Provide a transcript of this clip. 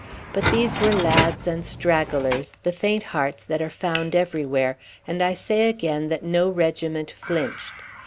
But these were lads and stragglers, the faint hearts that are found everywhere, and I say again that no regiment flinched.